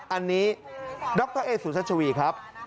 อันนี้ดรเอสุชัชวีครับ